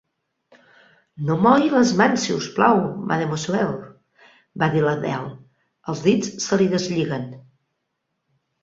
"No mogui les mans, si us plau, mademoiselle", va dir l'Adele; "els dits se li deslliguen".